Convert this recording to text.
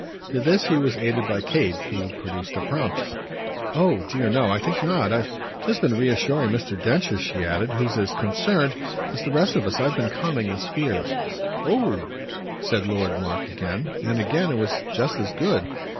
To this he was aided by Kate, who produced a prompt: "Oh dear no; I think not. I've just been reassuring Mr. Densher," she added "who's as concerned as the rest of us. I've been calming his fears." "Oh!" said Lord Mark again and again it was just as good.